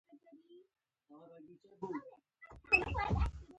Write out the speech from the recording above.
ما ځواب ورکړ، هو.